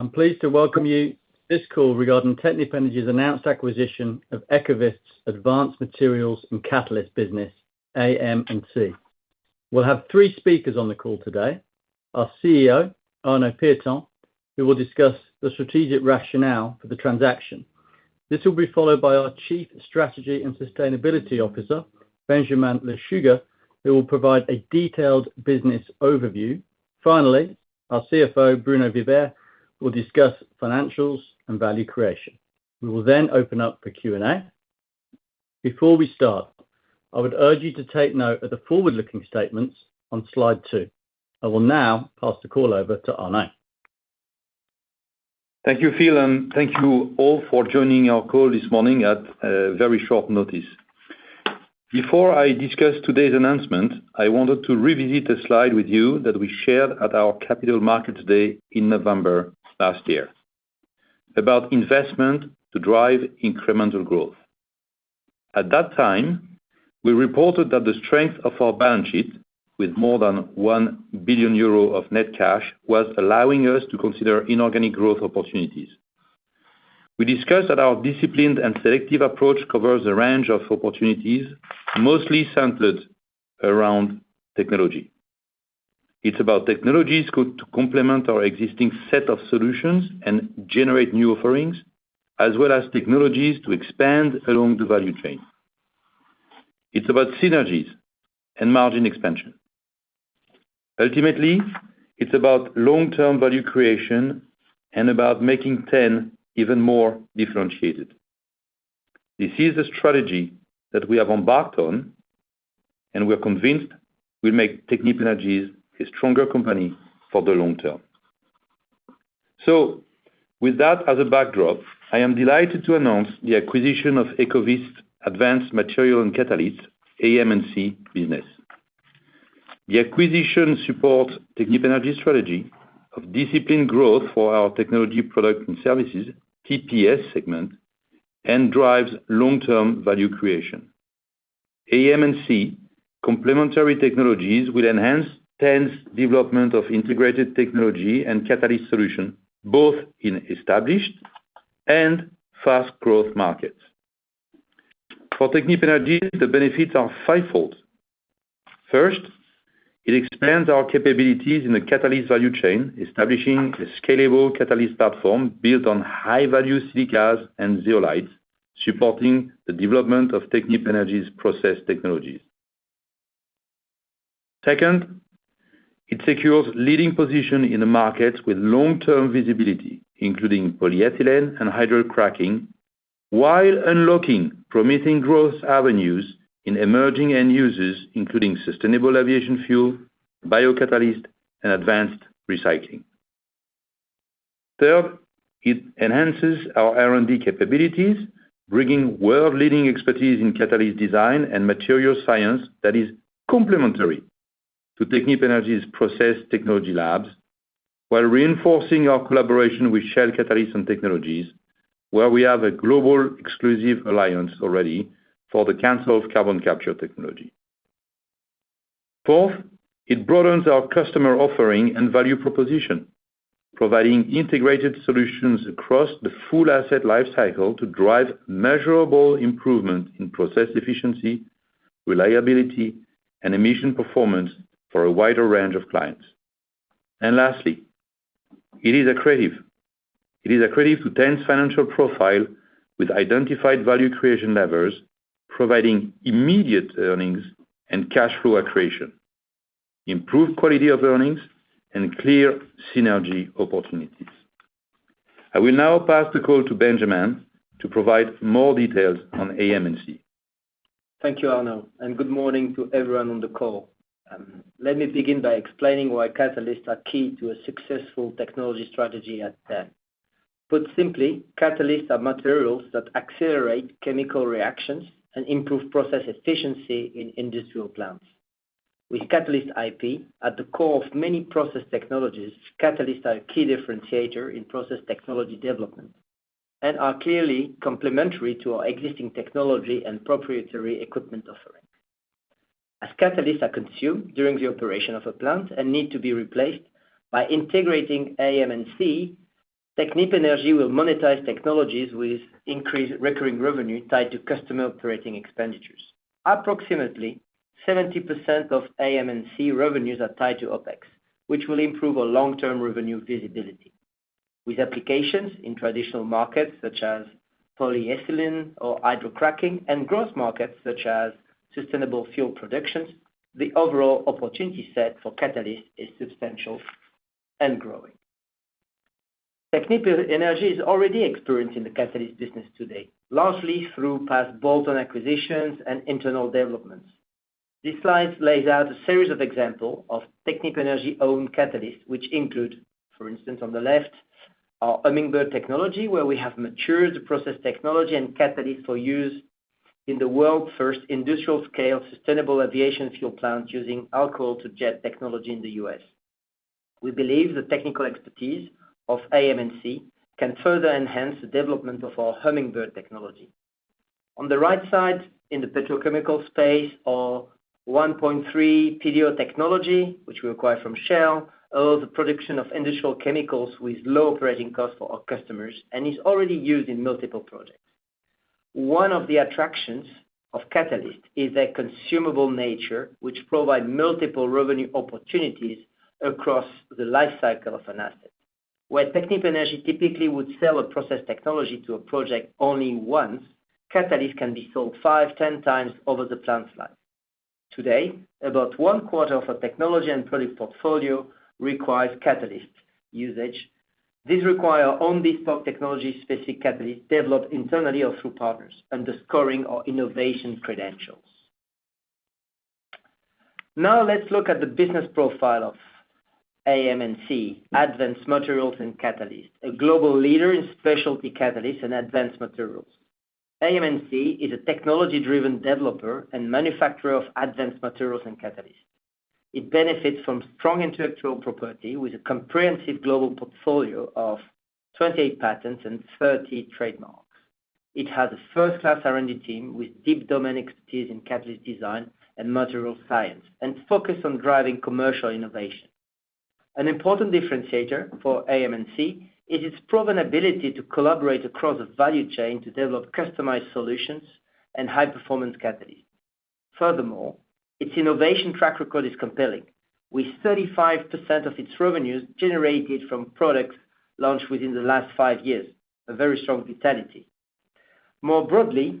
I'm pleased to welcome you to this call regarding Technip Energies' announced acquisition of Ecovyst's Advanced Materials and Catalysts business, AM&C. We'll have three speakers on the call today: our CEO, Arnaud Pieton, who will discuss the strategic rationale for the transaction. This will be followed by our Chief Strategy and Sustainability Officer, Benjamin Lechuga, who will provide a detailed business overview. Finally, our CFO, Bruno Vibert, will discuss financials and value creation. We will then open up for Q&A. Before we start, I would urge you to take note of the forward-looking statements on slide two. I will now pass the call over to Arnaud. Thank you, Phil, and thank you all for joining our call this morning at very short notice. Before I discuss today's announcement, I wanted to revisit a slide with you that we shared at our capital markets day in November last year about investment to drive incremental growth. At that time, we reported that the strength of our balance sheet, with more than 1 billion euro of net cash, was allowing us to consider inorganic growth opportunities. We discussed that our disciplined and selective approach covers a range of opportunities, mostly centered around technology. It's about technologies to complement our existing set of solutions and generate new offerings, as well as technologies to expand along the value chain. It's about synergies and margin expansion. Ultimately, it's about long-term value creation and about making 10 even more differentiated. This is the strategy that we have embarked on, and we are convinced will make Technip Energies a stronger company for the long term. With that as a backdrop, I am delighted to announce the acquisition of Ecovyst Advanced Materials and Catalysts, AM&C business. The acquisition supports Technip Energies' strategy of disciplined growth for our technology products and services, TPS segment, and drives long-term value creation. AM&C complementary technologies will enhance Technip's development of integrated technology and catalyst solutions, both in established and fast-growth markets. For Technip Energies, the benefits are fivefold. First, it expands our capabilities in the catalyst value chain, establishing a scalable catalyst platform built on high-value silica and zeolite supporting the development of Technip Energies' process technologies. Second, it secures a leading position in the markets with long-term visibility, including polyethylene and hydrocracking, while unlocking promising growth avenues in emerging end users, including sustainable aviation fuel, biocatalyst, and advanced recycling. Third, it enhances our R&D capabilities, bringing world-leading expertise in catalyst design and material science that is complementary to Technip Energies' process technology labs, while reinforcing our collaboration with Shell Catalysts and Technologies, where we have a global exclusive alliance already for the Cansolv carbon capture technology. Fourth, it broadens our customer offering and value proposition, providing integrated solutions across the full asset lifecycle to drive measurable improvements in process efficiency, reliability, and emission performance for a wider range of clients. And lastly, it is accretive to TEN's financial profile with identified value creation levers, providing immediate earnings and cash flow accretion, improved quality of earnings, and clear synergy opportunities. I will now pass the call to Benjamin to provide more details on AM&C. Thank you, Arnaud, and good morning to everyone on the call. Let me begin by explaining why catalysts are key to a successful technology strategy at Technip Energies. Put simply, catalysts are materials that accelerate chemical reactions and improve process efficiency in industrial plants. With catalyst IP at the core of many process technologies, catalysts are a key differentiator in process technology development and are clearly complementary to our existing technology and proprietary equipment offering. As catalysts are consumed during the operation of a plant and need to be replaced, by integrating AM&C, Technip Energies will monetize technologies with increased recurring revenue tied to customer operating expenditures. Approximately 70% of AM&C revenues are tied to OPEX, which will improve our long-term revenue visibility. With applications in traditional markets such as polyethylene or hydrocracking and growth markets such as sustainable fuel productions, the overall opportunity set for catalysts is substantial and growing. Technip Energies is already experienced in the catalyst business today, largely through past bolt-on acquisitions and internal developments. This slide lays out a series of examples of Technip Energies-owned catalysts, which include, for instance, on the left, our Hummingbird Technology, where we have matured the process technology and catalysts for use in the world's first industrial-scale sustainable aviation fuel plant using Alcohol-to-Jet technology in the U.S. We believe the technical expertise of AM&C can further enhance the development of our Hummingbird Technology. On the right side, in the petrochemical space, our 1,3-PDO technology, which we acquired from Shell, allows the production of industrial chemicals with low operating costs for our customers and is already used in multiple projects. One of the attractions of catalysts is their consumable nature, which provides multiple revenue opportunities across the lifecycle of an asset. Where Technip Energies typically would sell a process technology to a project only once, catalysts can be sold five, 10 times over the plant's life. Today, about one quarter of our technology and product portfolio requires catalyst usage. These require only stock technology-specific catalysts developed internally or through partners, underscoring our innovation credentials. Now, let's look at the business profile of AM&C, Advanced Materials & Catalysts, a global leader in specialty catalysts and advanced materials. AM&C is a technology-driven developer and manufacturer of advanced materials and catalysts. It benefits from strong intellectual property with a comprehensive global portfolio of 28 patents and 30 trademarks. It has a first-class R&D team with deep domain expertise in catalyst design and materials science, and focus on driving commercial innovation. An important differentiator for AM&C is its proven ability to collaborate across a value chain to develop customized solutions and high-performance catalysts. Furthermore, its innovation track record is compelling, with 35% of its revenues generated from products launched within the last five years, a very strong vitality. More broadly,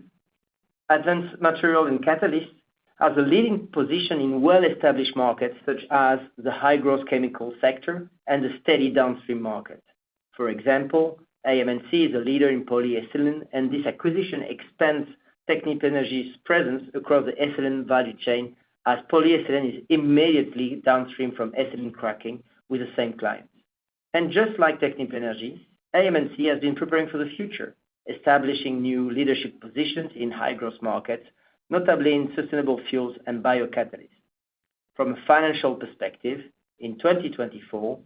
advanced materials and catalysts have a leading position in well-established markets such as the high-growth chemical sector and the steady downstream market. For example, AM&C is a leader in polyethylene, and this acquisition expands Technip Energies' presence across the ethylene value chain, as polyethylene is immediately downstream from ethylene cracking with the same clients. Just like Technip Energies, AM&C has been preparing for the future, establishing new leadership positions in high-growth markets, notably in sustainable fuels and biocatalysts. From a financial perspective, in 2024,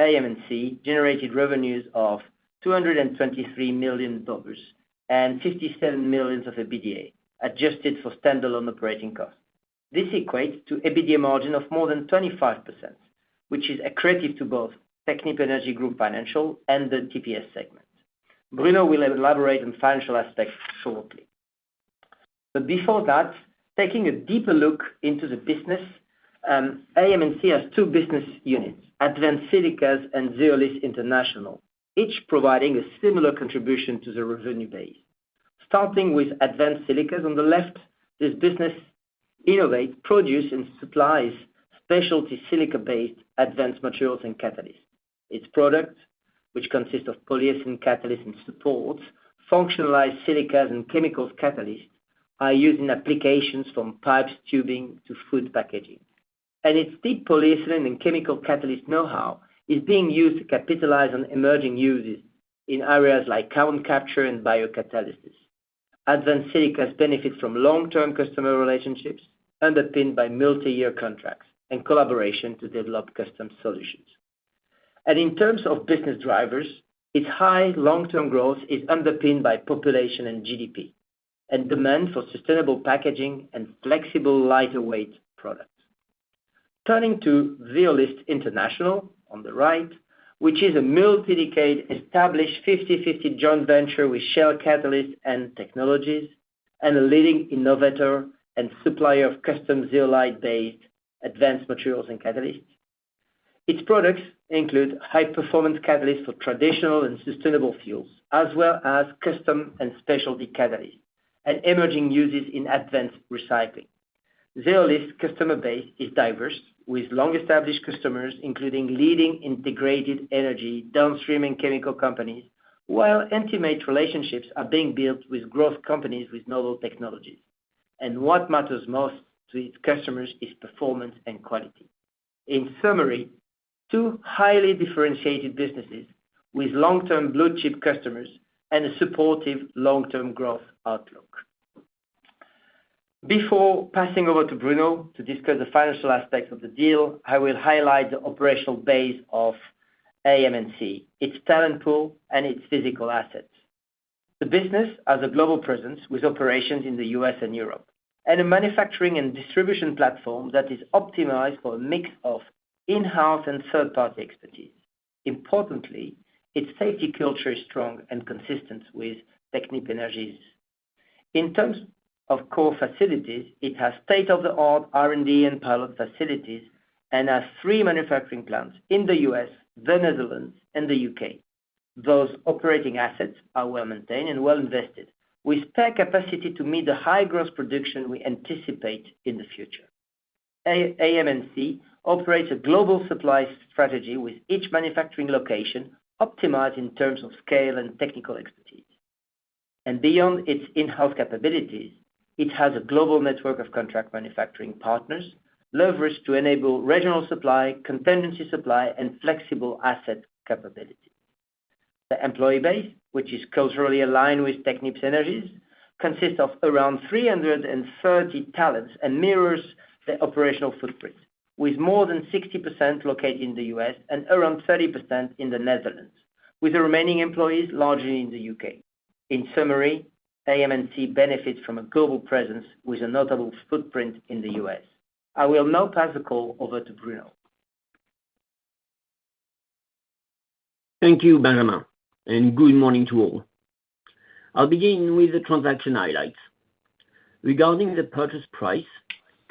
AM&C generated revenues of $223 million and $57 million of EBITDA, adjusted for standalone operating costs. This equates to an EBITDA margin of more than 25%, which is attributed to both Technip Energies financial and the TPS segment. Bruno will elaborate on financial aspects shortly. But before that, taking a deeper look into the business, AM&C has two business units, Advanced Silica and Zeolyst International, each providing a similar contribution to the revenue base. Starting with Advanced Silica on the left, this business innovates, produces, and supplies specialty silica-based advanced materials and catalysts. Its products, which consist of polyethylene catalysts and supports, functionalized silica and chemical catalysts, are used in applications from pipes, tubing, to food packaging. And its deep polyethylene and chemical catalyst know-how is being used to capitalize on emerging uses in areas like carbon capture and biocatalysts. Advanced Silica benefits from long-term customer relationships underpinned by multi-year contracts and collaboration to develop custom solutions. In terms of business drivers, its high long-term growth is underpinned by population and GDP and demand for sustainable packaging and flexible, lighter-weight products. Turning to Zeolyst International on the right, which is a multi-decade established 50/50 joint venture with Shell Catalysts and Technologies, and a leading innovator and supplier of custom zeolite-based advanced materials and catalysts. Its products include high-performance catalysts for traditional and sustainable fuels, as well as custom and specialty catalysts and emerging uses in advanced recycling. Zeolyst's customer base is diverse, with long-established customers including leading integrated energy downstream and chemical companies, while intimate relationships are being built with growth companies with novel technologies. What matters most to its customers is performance and quality. In summary, two highly differentiated businesses with long-term blue-chip customers and a supportive long-term growth outlook. Before passing over to Bruno to discuss the financial aspects of the deal, I will highlight the operational base of AM&C, its talent pool, and its physical assets. The business has a global presence with operations in the U.S. and Europe, and a manufacturing and distribution platform that is optimized for a mix of in-house and third-party expertise. Importantly, its safety culture is strong and consistent with Technip Energies'. In terms of core facilities, it has state-of-the-art R&D and pilot facilities and has three manufacturing plants in the U.S., the Netherlands, and the U.K. Those operating assets are well maintained and well invested, with spare capacity to meet the high-growth production we anticipate in the future. AM&C operates a global supply strategy with each manufacturing location optimized in terms of scale and technical expertise. Beyond its in-house capabilities, it has a global network of contract manufacturing partners leveraged to enable regional supply, contingency supply, and flexible asset capability. The employee base, which is culturally aligned with Technip Energies, consists of around 330 talents and mirrors the operational footprint, with more than 60% located in the U.S. and around 30% in the Netherlands, with the remaining employees largely in the U.K. In summary, AM&C benefits from a global presence with a notable footprint in the U.S. I will now pass the call over to Bruno. Thank you, Benjamin, and good morning to all. I'll begin with the transaction highlights. Regarding the purchase price,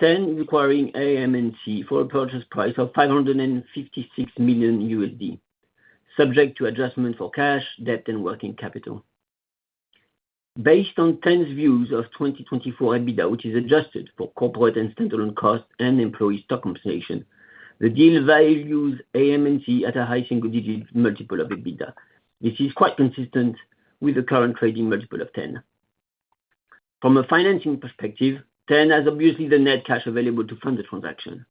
Technip acquiring AM&C for a purchase price of $556 million, subject to adjustment for cash, debt, and working capital. Based on Technip's views of 2024 EBITDA, which is adjusted for corporate and standalone costs and employee stock compensation, the deal values AM&C at a high single-digit multiple of EBITDA. This is quite consistent with the current trading multiple of Technip. From a financing perspective, Technip has obviously the net cash available to fund the transaction.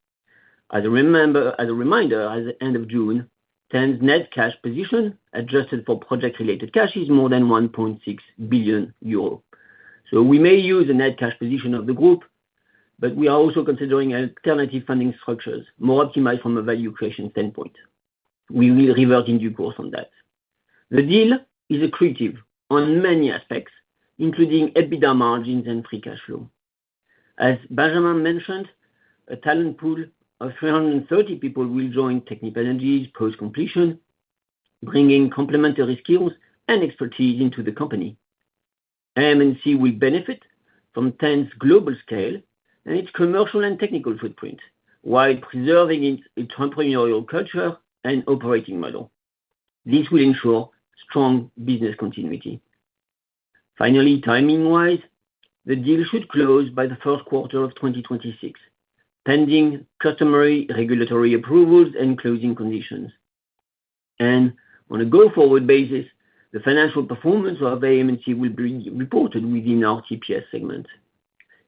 As a reminder, at the end of June, Technip's net cash position, adjusted for project-related cash, is more than 1.6 billion euro. So we may use the net cash position of the group, but we are also considering alternative funding structures more optimized from a value creation standpoint. We will revert in due course on that. The deal is attractive on many aspects, including EBITDA margins and free cash flow. As Benjamin mentioned, a talent pool of 330 people will join Technip Energies' post-completion, bringing complementary skills and expertise into the company. AM&C will benefit from TE's global scale and its commercial and technical footprint, while preserving its entrepreneurial culture and operating model. This will ensure strong business continuity. Finally, timing-wise, the deal should close by the first quarter of 2026, pending customary regulatory approvals and closing conditions, and on a go-forward basis, the financial performance of AM&C will be reported within our TPS segment.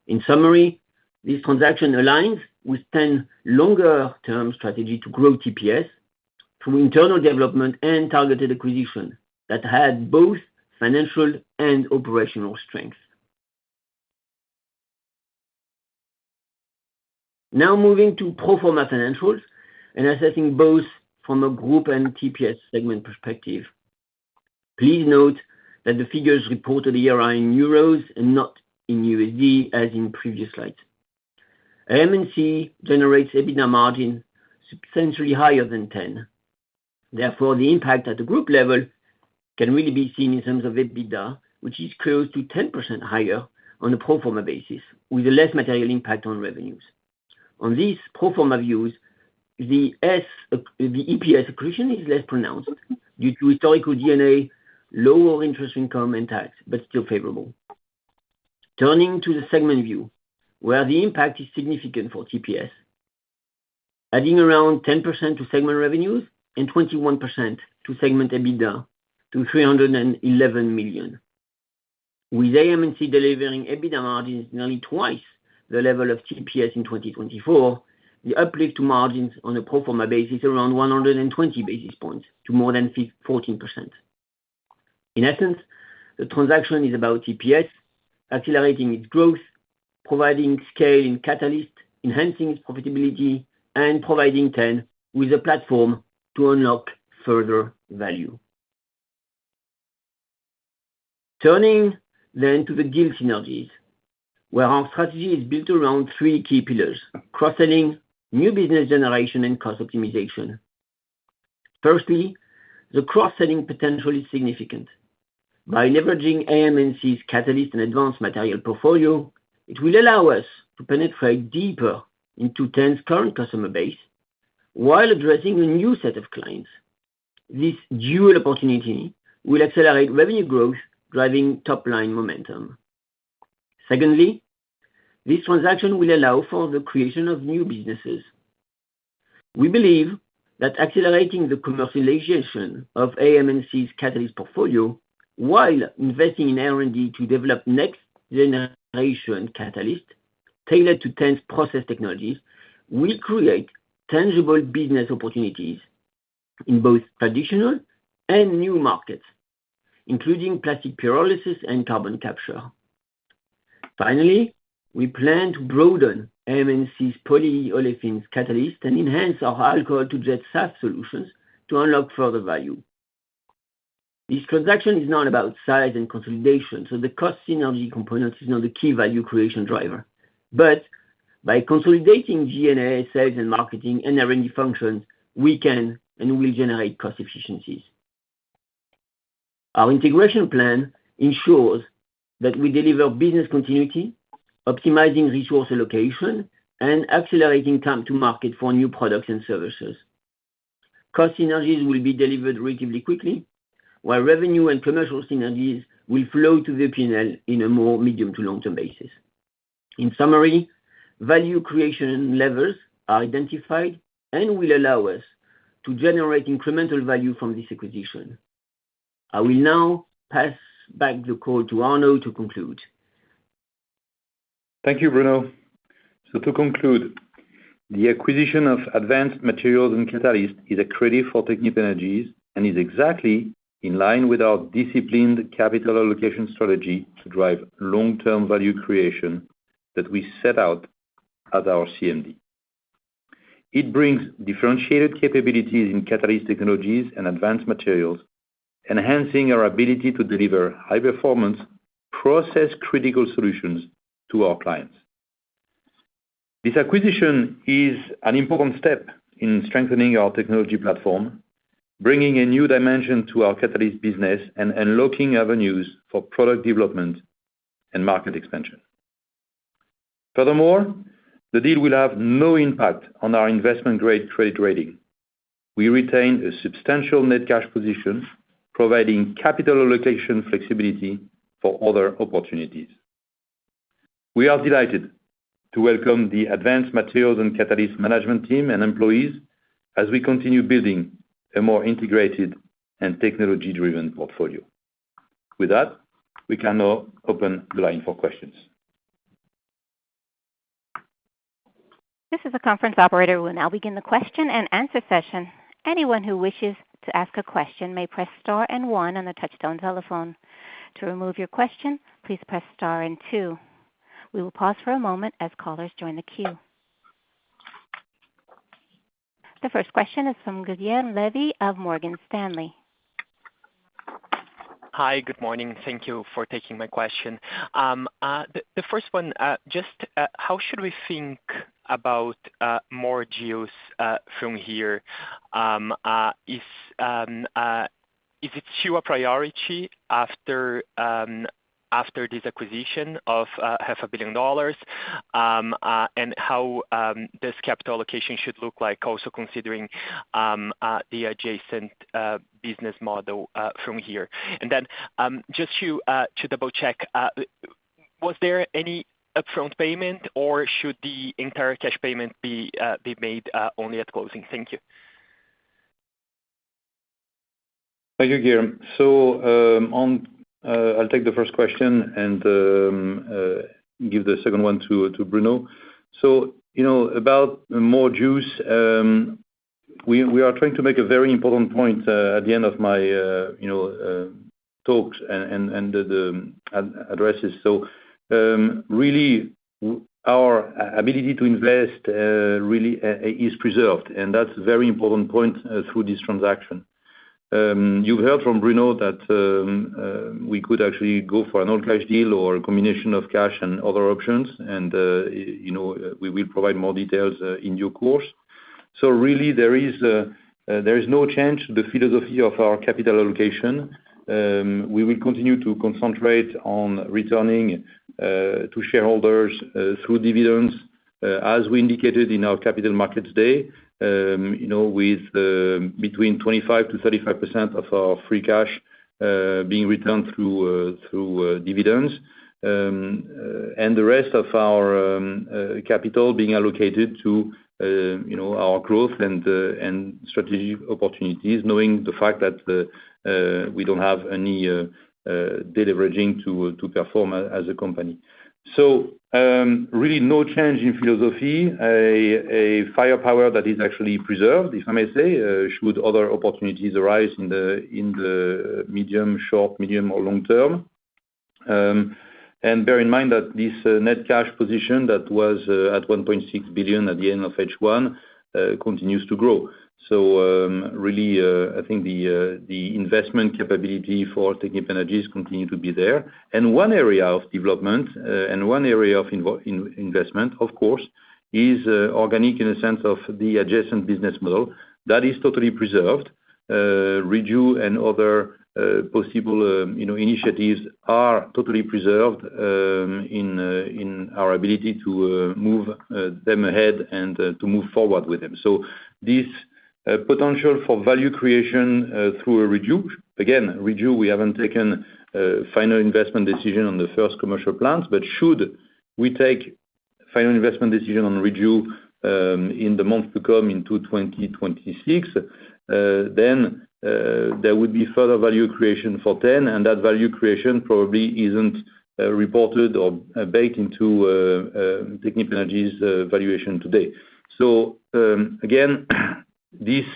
In summary, this transaction aligns with TE's longer-term strategy to grow TPS through internal development and targeted acquisition that had both financial and operational strengths. Now moving to pro forma financials and assessing both from a group and TPS segment perspective. Please note that the figures reported here are in EUR and not in USD, as in previous slides. AM&C generates EBITDA margins substantially higher than 10%. Therefore, the impact at the group level can really be seen in terms of EBITDA, which is close to 10% higher on a pro forma basis, with a less material impact on revenues. On these pro forma views, the EPS accretion is less pronounced due to historical D&A, lower interest income, and tax, but still favorable. Turning to the segment view, where the impact is significant for TPS, adding around 10% to segment revenues and 21% to segment EBITDA to $311 million. With AM&C delivering EBITDA margins nearly twice the level of TPS in 2024, the uplift to margins on a pro forma basis is around 120 basis points to more than 14%. In essence, the transaction is about TE's, accelerating its growth, providing scale in catalysts, enhancing its profitability, and providing TE with a platform to unlock further value. Turning then to the deal synergies, where our strategy is built around three key pillars: cross-selling, new business generation, and cost optimization. Firstly, the cross-selling potential is significant. By leveraging AM&C's catalyst and advanced material portfolio, it will allow us to penetrate deeper into TE's current customer base while addressing a new set of clients. This dual opportunity will accelerate revenue growth, driving top-line momentum. Secondly, this transaction will allow for the creation of new businesses. We believe that accelerating the commercialization of AM&C's catalyst portfolio while investing in R&D to develop next-generation catalysts tailored to TE's process technologies will create tangible business opportunities in both traditional and new markets, including plastic pyrolysis and carbon capture. Finally, we plan to broaden AM&C's polyolefins catalyst and enhance our alcohol-to-jet SAF solutions to unlock further value. This transaction is not about size and consolidation, so the cost synergy component is not the key value creation driver. But by consolidating G&A, sales, and marketing and R&D functions, we can and will generate cost efficiencies. Our integration plan ensures that we deliver business continuity, optimizing resource allocation and accelerating time to market for new products and services. Cost synergies will be delivered relatively quickly, while revenue and commercial synergies will flow to the P&L in a more medium- to long-term basis. In summary, value creation levels are identified and will allow us to generate incremental value from this acquisition. I will now pass back the call to Arnaud to conclude. Thank you, Bruno. So to conclude, the acquisition of Advanced Materials and Catalysts is accretive for Technip Energies and is exactly in line with our disciplined capital allocation strategy to drive long-term value creation that we set out as our CMD. It brings differentiated capabilities in catalyst technologies and advanced materials, enhancing our ability to deliver high-performance, process-critical solutions to our clients. This acquisition is an important step in strengthening our technology platform, bringing a new dimension to our catalyst business and unlocking avenues for product development and market expansion. Furthermore, the deal will have no impact on our investment-grade credit rating. We retain a substantial net cash position, providing capital allocation flexibility for other opportunities. We are delighted to welcome the Advanced Materials and Catalysts management team and employees as we continue building a more integrated and technology-driven portfolio. With that, we can now open the line for questions. This is a conference operator who will now begin the question and answer session. Anyone who wishes to ask a question may press star and one on the touch-tone telephone. To remove your question, please press star and two. We will pause for a moment as callers join the queue. The first question is from Guilherme Levy of Morgan Stanley. Hi, good morning. Thank you for taking my question. The first one, just how should we think about more deals from here? Is it still a priority after this acquisition of $500 million? And how does capital allocation should look like, also considering the adjacent business model from here? And then just to double-check, was there any upfront payment, or should the entire cash payment be made only at closing? Thank you. Thank you, Guilherme. So I'll take the first question and give the second one to Bruno. So about more deals, we are trying to make a very important point at the end of my talks and addresses. So really, our ability to invest really is preserved, and that's a very important point through this transaction. You've heard from Bruno that we could actually go for an all-cash deal or a combination of cash and other options, and we will provide more details in due course. So really, there is no change to the philosophy of our capital allocation. We will continue to concentrate on returning to shareholders through dividends, as we indicated in our Capital Markets Day, with between 25%-35% of our free cash being returned through dividends, and the rest of our capital being allocated to our growth and strategic opportunities, knowing the fact that we don't have any deleveraging to perform as a company, so really, no change in philosophy, a firepower that is actually preserved, if I may say, should other opportunities arise in the medium, short, medium, or long term, and bear in mind that this net cash position that was at 1.6 billion at the end of H1 continues to grow, so really, I think the investment capability for Technip Energies continues to be there, and one area of development and one area of investment, of course, is organic in the sense of the adjacent business model that is totally preserved. Reju and other possible initiatives are totally preserved in our ability to move them ahead and to move forward with them. So this potential for value creation through Reju, again, Reju, we haven't taken final investment decision on the first commercial plants, but should we take final investment decision on Reju in the month to come into 2026, then there would be further value creation for T.EN, and that value creation probably isn't reported or baked into Technip Energies' valuation today. So again, this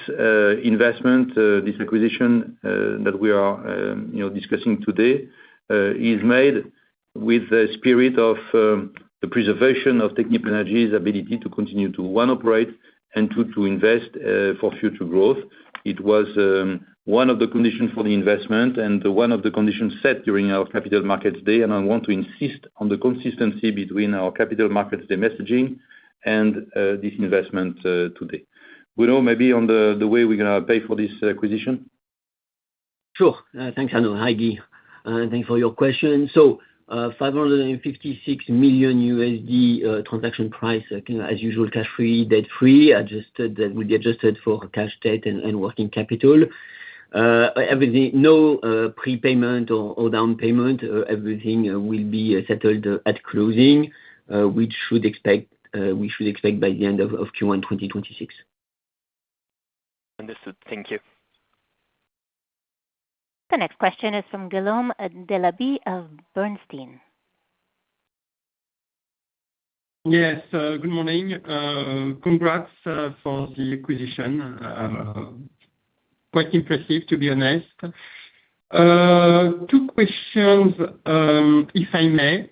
investment, this acquisition that we are discussing today is made with the spirit of the preservation of Technip Energies' ability to continue to, one, operate and, two, to invest for future growth. It was one of the conditions for the investment and one of the conditions set during our capital markets day, and I want to insist on the consistency between our capital markets day messaging and this investment today. Bruno, maybe on the way we're going to pay for this acquisition? Sure. Thanks, Arnaud. Hi, Gui. Thanks for your question. So $556 million transaction price, as usual, cash free, debt free, adjusted, that will be adjusted for cash, debt, and working capital. No prepayment or down payment. Everything will be settled at closing, which we should expect by the end of Q1 2026. Understood. Thank you. The next question is from Guillaume Delaby of Bernstein. Yes. Good morning. Congrats for the acquisition. Quite impressive, to be honest. Two questions, if I may.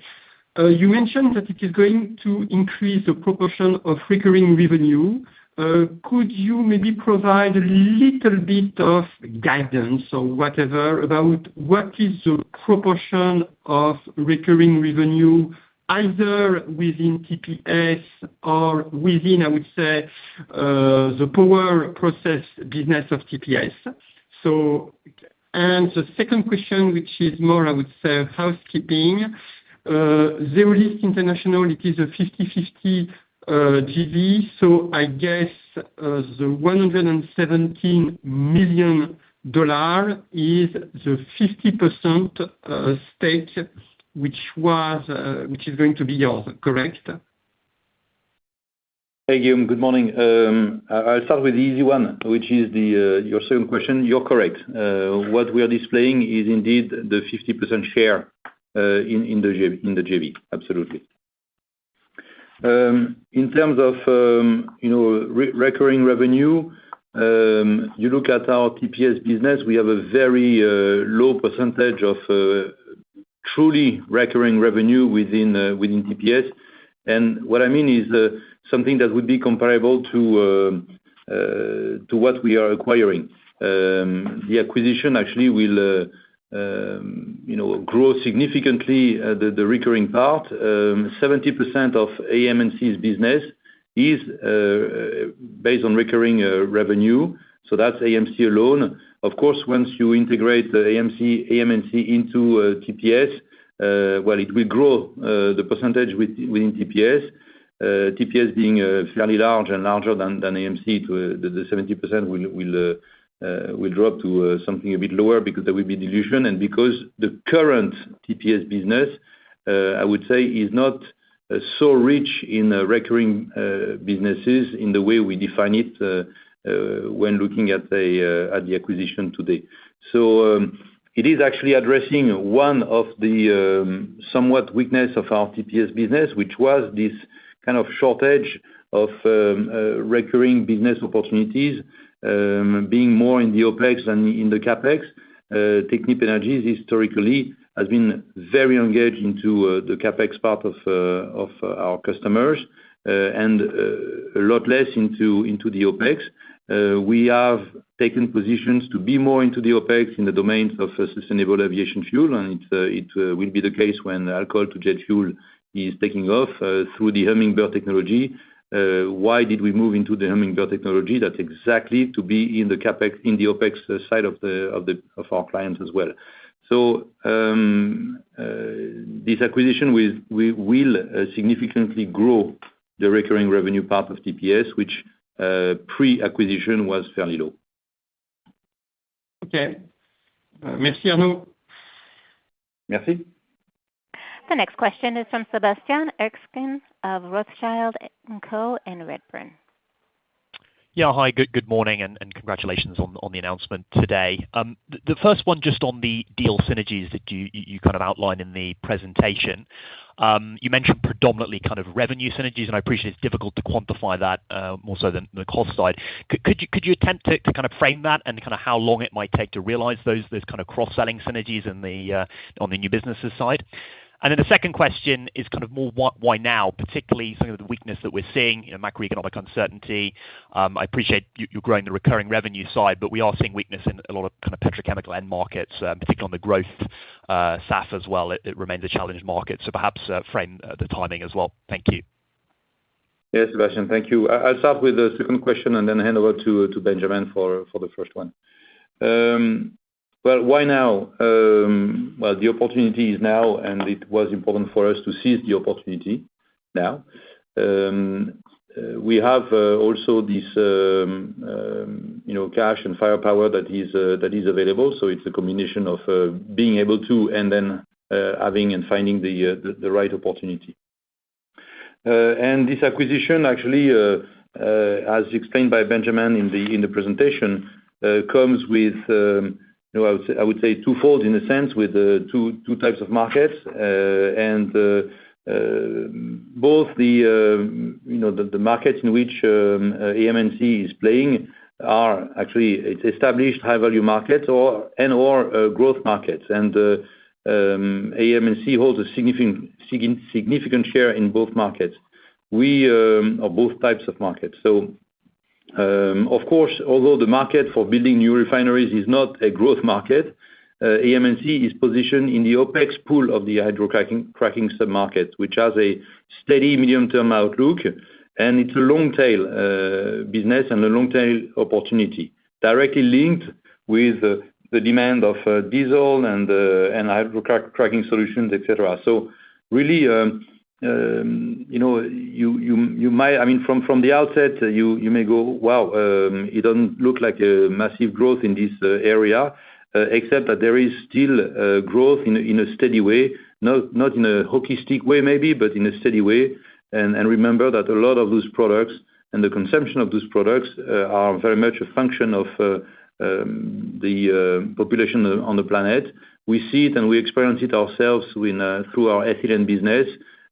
You mentioned that it is going to increase the proportion of recurring revenue. Could you maybe provide a little bit of guidance or whatever about what is the proportion of recurring revenue, either within TPS or within, I would say, the power process business of TPS? And the second question, which is more, I would say, housekeeping. Zeolyst International, it is a 50/50 JV, so I guess the $117 million is the 50% stake, which is going to be yours, correct? Hi, Guillaume. Good morning. I'll start with the easy one, which is your second question. You're correct. What we are displaying is indeed the 50% share in the GV. Absolutely. In terms of recurring revenue, you look at our TPS business, we have a very low percentage of truly recurring revenue within TPS. And what I mean is something that would be comparable to what we are acquiring. The acquisition actually will grow significantly, the recurring part. 70% of AM&C's business is based on recurring revenue. So that's AMC alone. Of course, once you integrate AM&C into TPS, well, it will grow the percentage within TPS. TPS being fairly large and larger than AMC, the 70% will drop to something a bit lower because there will be dilution. Because the current TPS business, I would say, is not so rich in recurring businesses in the way we define it when looking at the acquisition today. So it is actually addressing one of the somewhat weaknesses of our TPS business, which was this kind of shortage of recurring business opportunities being more in the OpEx than in the CapEx. Technip Energies, historically, has been very engaged into the CapEx part of our customers and a lot less into the OpEx. We have taken positions to be more into the OpEx in the domains of sustainable aviation fuel, and it will be the case when alcohol-to-jet fuel is taking off through the Hummingbird technology. Why did we move into the Hummingbird technology? That's exactly to be in the OpEx side of our clients as well. This acquisition will significantly grow the recurring revenue part of TPS, which pre-acquisition was fairly low. Okay. Merci, Arnaud. Merci. The next question is from Sebastien Erskine of Rothschild & Co Redburn Yeah. Hi, good morning and congratulations on the announcement today. The first one just on the deal synergies that you kind of outlined in the presentation. You mentioned predominantly kind of revenue synergies, and I appreciate it's difficult to quantify that more so than the cost side. Could you attempt to kind of frame that and kind of how long it might take to realize those kind of cross-selling synergies on the new businesses side? And then the second question is kind of more why now, particularly some of the weakness that we're seeing, macroeconomic uncertainty. I appreciate you're growing the recurring revenue side, but we are seeing weakness in a lot of kind of petrochemical end markets, particularly on the growth SAF as well. It remains a challenge market. So perhaps frame the timing as well. Thank you. Yes, Sebastien. Thank you. I'll start with the second question and then hand over to Benjamin for the first one. Why now? The opportunity is now, and it was important for us to seize the opportunity now. We have also this cash and firepower that is available. It's a combination of being able to and then having and finding the right opportunity. This acquisition, actually, as explained by Behnam in the presentation, comes with, I would say, twofold in a sense, with two types of markets. Both the markets in which AM&C is playing are actually established high-value markets and/or growth markets. AM&C holds a significant share in both markets or both types of markets. Of course, although the market for building new refineries is not a growth market, AM&C is positioned in the OpEx pool of the hydrocracking submarket, which has a steady medium-term outlook, and it's a long-tail business and a long-tail opportunity directly linked with the demand of diesel and hydrocracking solutions, etc. So really, you might, I mean, from the outset, you may go, "Wow, it doesn't look like a massive growth in this area," except that there is still growth in a steady way, not in a hockey stick way maybe, but in a steady way. And remember that a lot of those products and the consumption of those products are very much a function of the population on the planet. We see it and we experience it ourselves through our ethylene business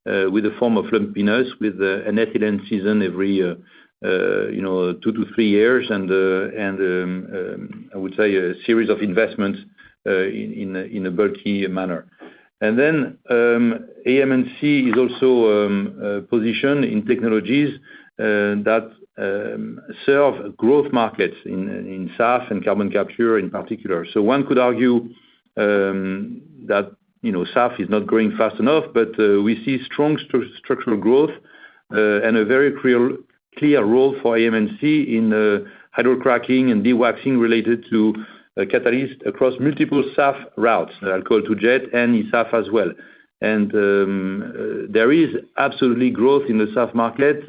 with the form of lumpiness, with an ethylene season every two to three years, and I would say a series of investments in a bulky manner, and then AM&C is also positioned in technologies that serve growth markets in SAF and carbon capture in particular. One could argue that SAF is not growing fast enough, but we see strong structural growth and a very clear role for AM&C in hydrocracking and dewaxing related to catalysts across multiple SAF routes, alcohol-to-jet and ESAF as well. There is absolutely growth in the SAF market.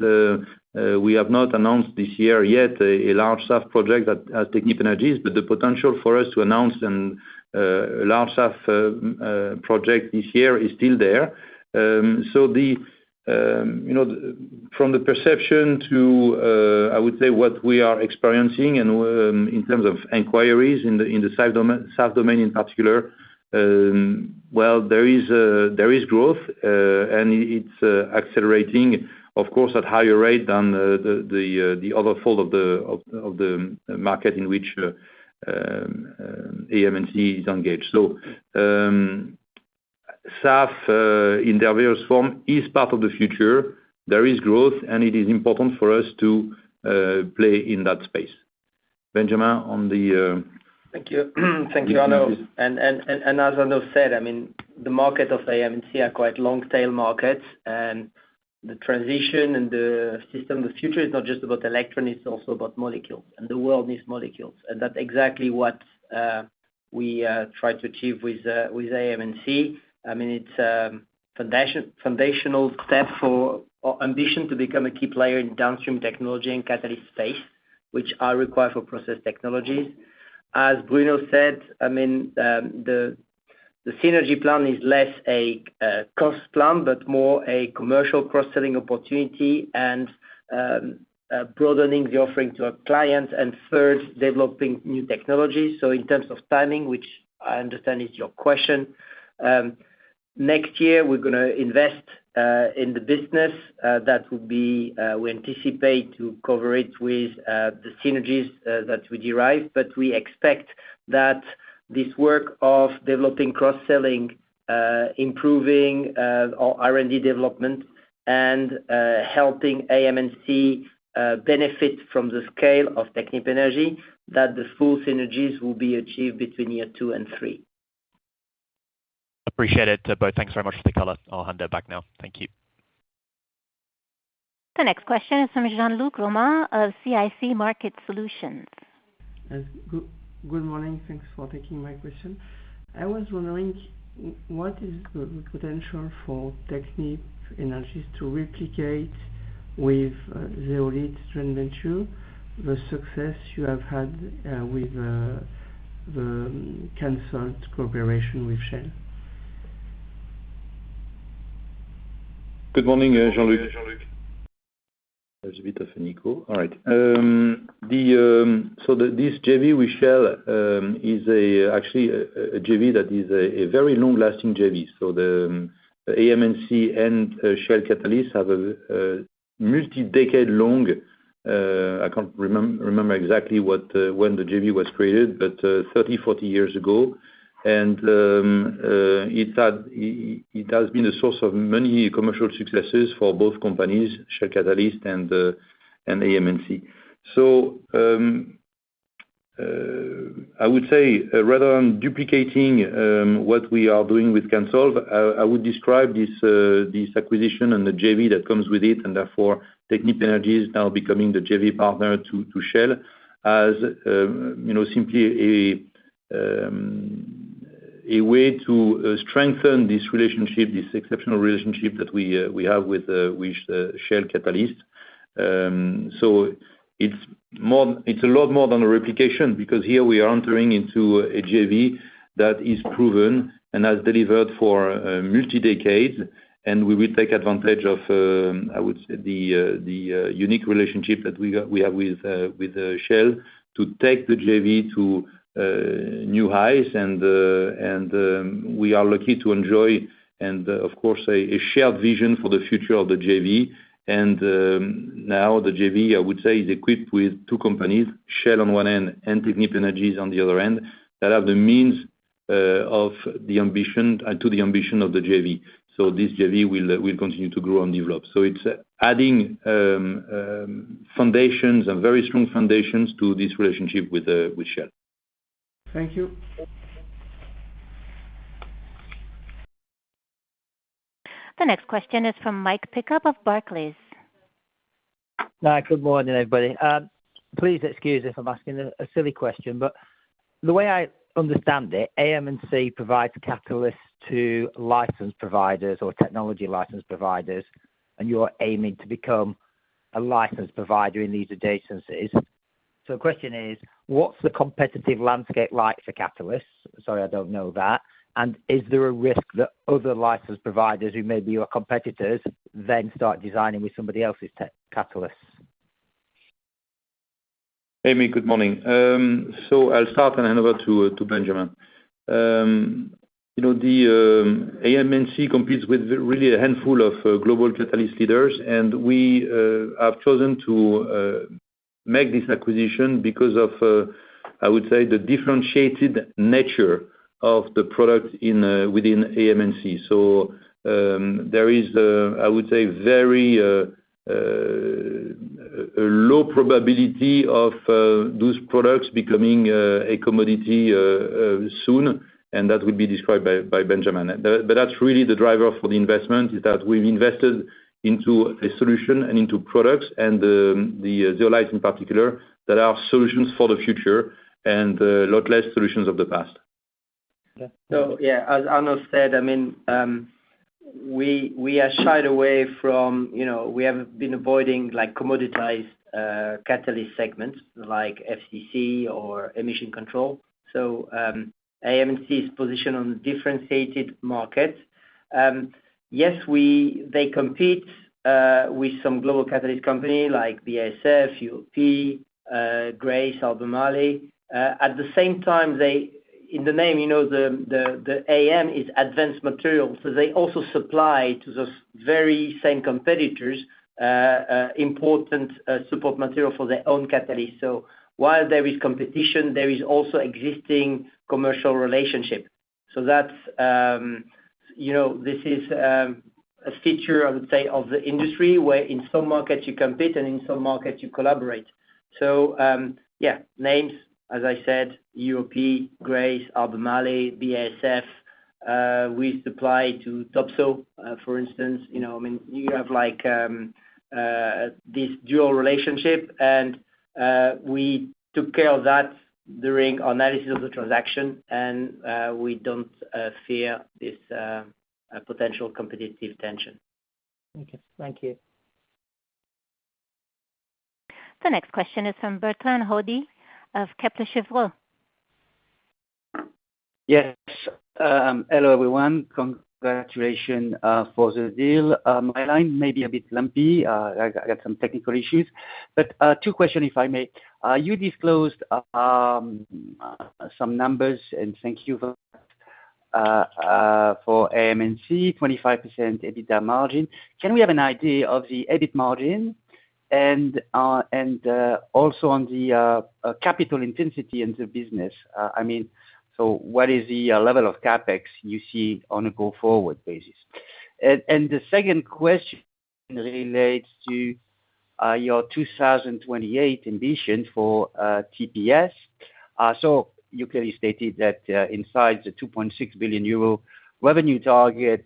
We have not announced this year yet a large SAF project that has Technip Energies, but the potential for us to announce a large SAF project this year is still there. So from the perception to, I would say, what we are experiencing in terms of inquiries in the SAF domain in particular, well, there is growth, and it's accelerating, of course, at a higher rate than the other field of the market in which AM&C is engaged. So SAF in their various forms is part of the future. There is growth, and it is important for us to play in that space. Benjamin on the. Thank you. Thank you, Arnaud. And as Arnaud said, I mean, the market of AM&C are quite long-tail markets, and the transition and the system of the future is not just about electrons, it's also about molecules, and the world needs molecules. And that's exactly what we try to achieve with AM&C. I mean, it's a foundational step for our ambition to become a key player in downstream technology and catalyst space, which are required for process technologies. As Bruno said, I mean, the synergy plan is less a cost plan, but more a commercial cross-selling opportunity and broadening the offering to our clients, and third, developing new technologies. In terms of timing, which I understand is your question, next year, we're going to invest in the business that would be we anticipate to cover it with the synergies that we derive, but we expect that this work of developing cross-selling, improving our R&D development, and helping AM&C benefit from the scale of Technip Energies, that the full synergies will be achieved between year two and three. Appreciate it. Both, thanks very much for the color. I'll hand it back now. Thank you. The next question is from Jean-Luc Romain of CIC Market Solutions. Good morning. Thanks for taking my question. I was wondering what is the potential for Technip Energies to replicate with Zeolyst joint venture the success you have had with the Cansolv cooperation with Shell? Good morning, Jean-Luc. I'll just be tough on Nico. All right. So this JV with Shell is actually a JV that is a very long-lasting JV. So the AM&C and Shell Catalyst have a multi-decade long, I can't remember exactly when the JV was created, but 30, 40 years ago, and it has been a source of many commercial successes for both companies, Shell Catalyst and AM&C. So I would say, rather than duplicating what we are doing with Cansolv, I would describe this acquisition and the JV that comes with it, and therefore Technip Energies now becoming the JV partner to Shell as simply a way to strengthen this relationship, this exceptional relationship that we have with Shell Catalyst. So it's a lot more than a replication because here we are entering into a JV that is proven and has delivered for multi-decades, and we will take advantage of, I would say, the unique relationship that we have with Shell to take the JV to new heights. And we are lucky to enjoy, and of course, a shared vision for the future of the JV. And now the JV, I would say, is equipped with two companies, Shell on one end and Technip Energies on the other end, that have the means to the ambition of the JV. So this JV will continue to grow and develop. So it's adding foundations and very strong foundations to this relationship with Shell. Thank you. The next question is from Mick Pickup of Barclays. Hi, good morning, everybody. Please excuse if I'm asking a silly question, but the way I understand it, AM&C provides catalysts to license providers or technology license providers, and you're aiming to become a license provider in these adjacencies. So the question is, what's the competitive landscape like for catalysts? Sorry, I don't know that. And is there a risk that other license providers who may be your competitors then start designing with somebody else's catalysts? Amy, good morning, so I'll start and hand over to Benjamin. The AM&C competes with really a handful of global catalyst leaders, and we have chosen to make this acquisition because of, I would say, the differentiated nature of the product within AM&C, so there is, I would say, very low probability of those products becoming a commodity soon, and that will be described by Benjamin, but that's really the driver for the investment is that we've invested into a solution and into products, and the zeolites in particular, that are solutions for the future and a lot less solutions of the past. Okay. So yeah, as Arnaud said, I mean, we are shied away from, we have been avoiding commoditized catalyst segments like FCC or emission control. So AM&C is positioned on differentiated markets. Yes, they compete with some global catalyst companies like BASF, UOP, Grace, Albemarle. At the same time, in the name, the AM is advanced materials, so they also supply to those very same competitors important support material for their own catalysts. So while there is competition, there is also existing commercial relationship. So this is a feature, I would say, of the industry where in some markets you compete and in some markets you collaborate. So yeah, names, as I said, UOP, Grace, Albemarle, BASF, we supply to Topsoe, for instance. I mean, you have this dual relationship, and we took care of that during our analysis of the transaction, and we don't fear this potential competitive tension. Thank you. The next question is from Bertrand Hodee of Kepler Cheuvreux. Yes. Hello everyone. Congratulations for the deal. My line may be a bit lumpy. I got some technical issues. But two questions, if I may. You disclosed some numbers, and thank you for AM&C, 25% EBITDA margin. Can we have an idea of the EBIT margin and also on the capital intensity and the business? I mean, so what is the level of CapEx you see on a go-forward basis? And the second question relates to your 2028 ambition for TPS. So you clearly stated that inside the 2.6 billion euro revenue target,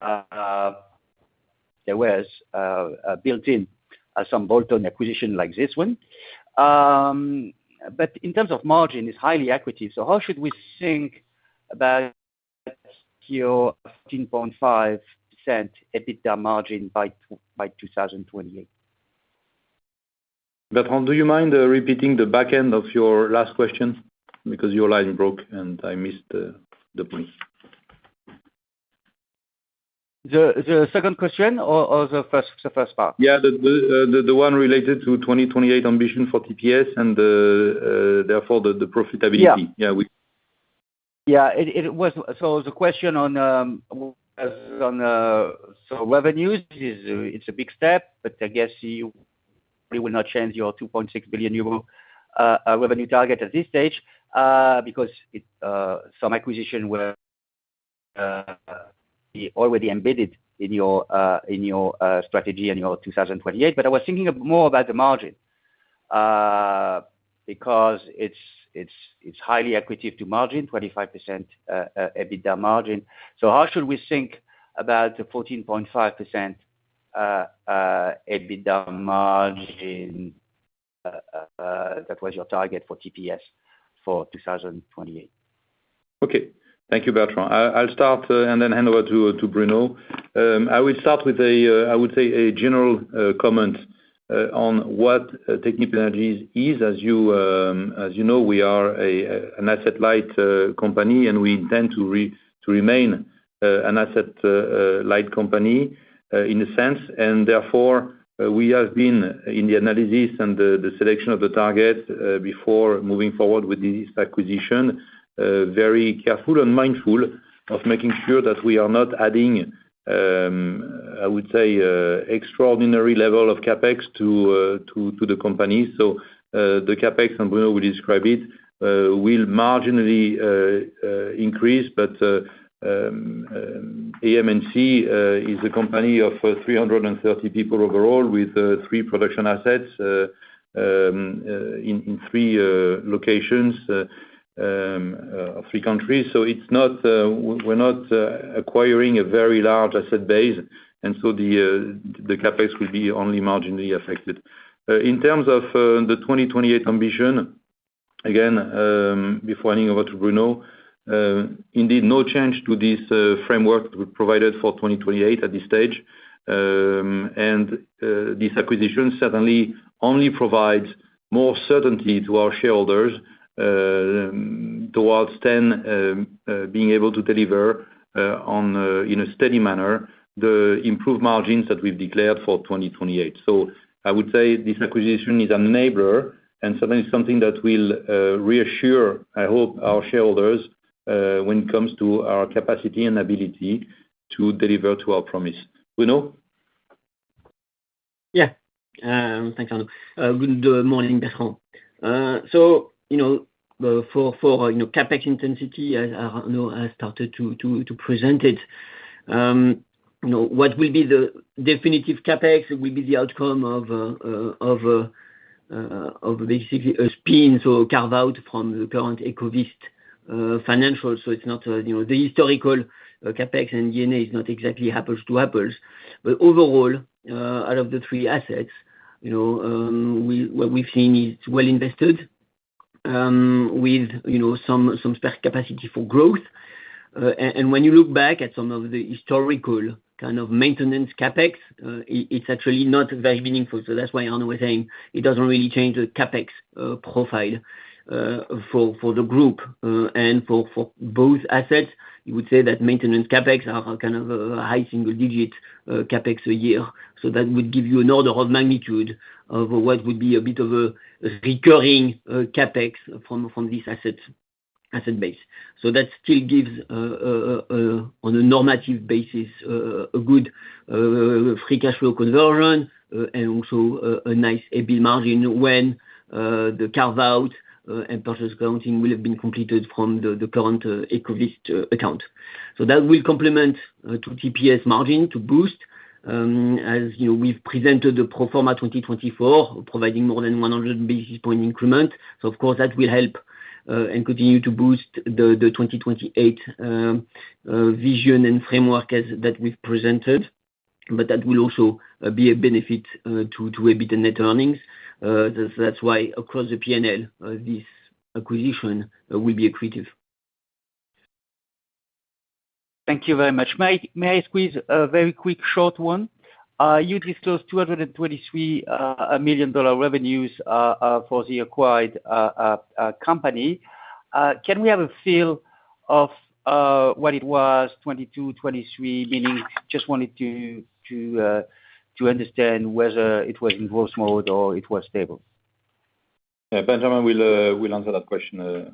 there was built-in some bolt-on acquisition like this one. But in terms of margin, it's highly additive. So how should we think about your 15.5% EBITDA margin by 2028? Bertrand, do you mind repeating the back end of your last question? Because your line broke and I missed the point. The second question or the first part? Yeah, the one related to 2028 ambition for TPS and therefore the profitability. Yeah. Yeah. So the question on revenues, it's a big step, but I guess you probably will not change your €2.6 billion revenue target at this stage because some acquisition will be already embedded in your strategy and your 2028. But I was thinking more about the margin because it's highly accretive to margin, 25% EBITDA margin. So how should we think about the 14.5% EBITDA margin that was your target for TPS for 2028? Okay. Thank you, Bertrand. I'll start and then hand over to Bruno. I will start with, I would say, a general comment on what Technip Energies is. As you know, we are an asset-light company, and we intend to remain an asset-light company in a sense. And therefore, we have been in the analysis and the selection of the target before moving forward with this acquisition, very careful and mindful of making sure that we are not adding, I would say, extraordinary level of CapEx to the company. So the CapEx, and Bruno will describe it, will marginally increase, but AM&C is a company of 330 people overall with three production assets in three locations of three countries. So we're not acquiring a very large asset base, and so the CapEx will be only marginally affected. In terms of the 2028 ambition, again, before handing over to Bruno, indeed, no change to this framework provided for 2028 at this stage, and this acquisition certainly only provides more certainty to our shareholders towards 10 being able to deliver in a steady manner the improved margins that we've declared for 2028, so I would say this acquisition is an enabler and certainly something that will reassure, I hope, our shareholders when it comes to our capacity and ability to deliver to our promise. Bruno? Yeah. Thanks, Arnaud. Good morning, Bertrand. For CapEx intensity, as Arnaud has started to present it, what will be the definitive CapEx? It will be the outcome of basically a spin, so carve out from the current Ecovyst financials. It's not the historical CapEx, and EBITDA is not exactly apples to apples. But overall, out of the three assets, what we've seen is well invested with some capacity for growth. When you look back at some of the historical kind of maintenance CapEx, it's actually not very meaningful. That's why Arnaud was saying it doesn't really change the CapEx profile for the group. For both assets, you would say that maintenance CapEx are kind of high single-digit CapEx a year. That would give you an order of magnitude of what would be a bit of a recurring CapEx from this asset base. So that still gives, on a normalized basis, a good free cash flow conversion and also a nice EBITDA margin when the carve-out and purchase accounting will have been completed from the current Ecovyst account. So that will complement to TPS margin to boost. As we've presented the pro forma 2024, providing more than 100 basis point increment. So of course, that will help and continue to boost the 2028 vision and framework that we've presented. But that will also be a benefit to EBITDA net earnings. That's why, across the P&L, this acquisition will be accretive. Thank you very much. May I squeeze a very quick short one? You disclosed $223 million revenues for the acquired company. Can we have a feel of what it was 2022, 2023, meaning just wanted to understand whether it was in growth mode or it was stable? Yeah. Benjamin will answer that question.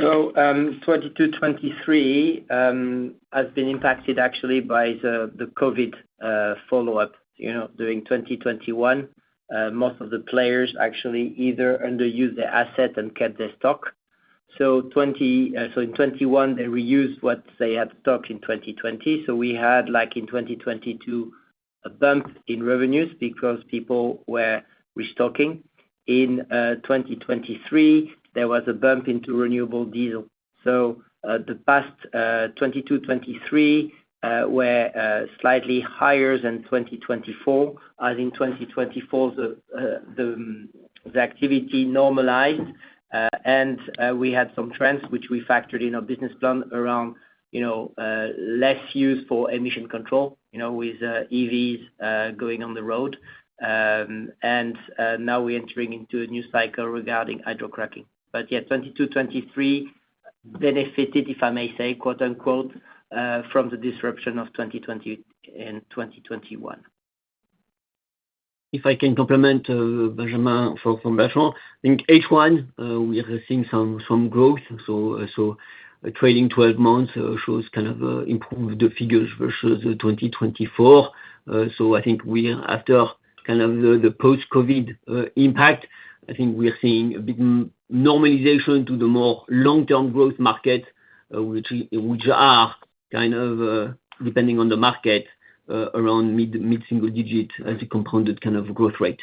So 2022, 2023 has been impacted actually by the COVID follow-up. During 2021, most of the players actually either underused their asset and kept their stock. So in 2021, they reused what they had stocked in 2020. So we had, like in 2022, a bump in revenues because people were restocking. In 2023, there was a bump into renewable diesel. So the past 2022, 2023 were slightly higher than 2024, as in 2024, the activity normalized, and we had some trends, which we factored in our business plan around less use for emission control with EVs going on the road. And now we're entering into a new cycle regarding hydrocracking. But yeah, 2022, 2023 benefited, if I may say, quote unquote, from the disruption of 2020 and 2021. If I can complement Benjamin from Bertrand, I think H1, we are seeing some growth, so trailing 12 months shows kind of improved figures versus 2024, so I think after kind of the post-COVID impact, I think we're seeing a bit of normalization to the more long-term growth markets, which are kind of, depending on the market, around mid-single digit as a compounded kind of growth rate.